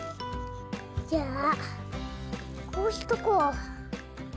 じゃあこうしとこう。